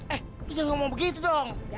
eh lu jangan ngomong begitu dong